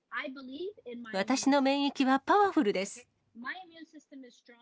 私の免疫はパワフルです。